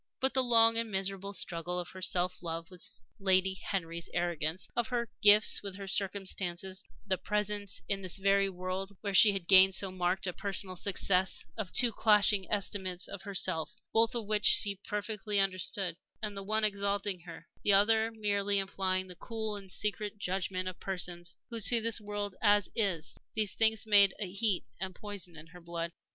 But the long and miserable struggle of her self love with Lady Henry's arrogance, of her gifts with her circumstances; the presence in this very world, where she had gained so marked a personal success, of two clashing estimates of herself, both of which she perfectly understood the one exalting her, the other merely implying the cool and secret judgment of persons who see the world as it is these things made a heat and poison in her blood.